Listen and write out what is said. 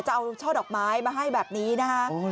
จะเอาช่อดอกไม้มาให้แบบนี้นะคะ